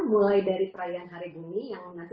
mulai dari perayaan hari bumi yang nanti